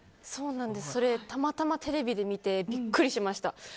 それ、たまたまテレビで見てビックリしました。